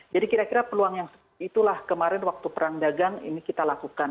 jadi kira kira peluang yang itulah kemarin waktu perang dagang ini kita lakukan